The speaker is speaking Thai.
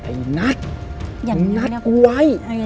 ไอ้นัทนัทกูไว้